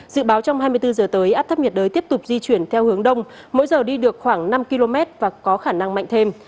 dự báo trong hai mươi bốn giờ tới áp thấp nhiệt đới tiếp tục di chuyển theo hướng đông mỗi giờ đi được khoảng năm km và có khả năng mạnh thêm